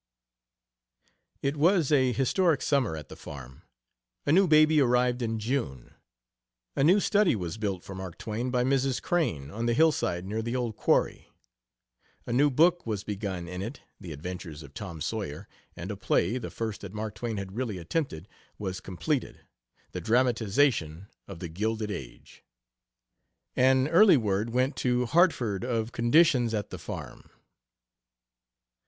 It was a historic summer at the Farm. A new baby arrived in June; a new study was built for Mark Twain by Mrs. Crane, on the hillside near the old quarry; a new book was begun in it The Adventures of Tom Sawyer and a play, the first that Mark Twain had really attempted, was completed the dramatization of The Gilded Age. An early word went to Hartford of conditions at the Farm.